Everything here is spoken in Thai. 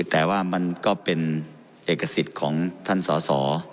แต่ว่ามันก็เป็นเอกสิทธิ์ของท่านสอสอ